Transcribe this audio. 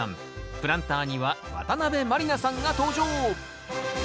プランターには渡辺満里奈さんが登場。